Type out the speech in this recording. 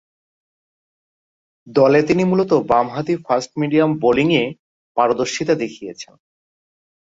দলে তিনি মূলতঃ বামহাতি ফাস্ট-মিডিয়াম বোলিংয়ে পারদর্শীতা দেখিয়েছেন।